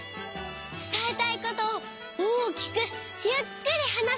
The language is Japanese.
つたえたいことを大きくゆっくりはなす。